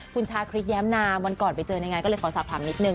คุณชาคริสแย้มนามวันก่อนไปเจอยังไงก็เลยขอสอบถามนิดนึ